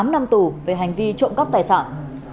tám năm tù về hành vi trộm cắp tài sản